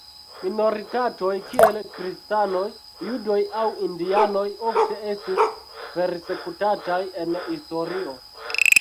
Minoritatoj, kiel kristanoj, judoj aŭ indianoj ofte estis persekutataj en historio.